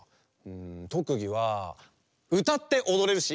とくぎはうたっておどれるし。